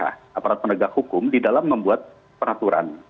aparat penegak hukum di dalam membuat peraturan